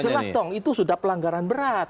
oh iya jelas dong itu sudah pelanggaran berat